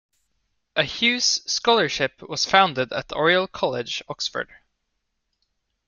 A Hughes Scholarship was founded at Oriel College, Oxford.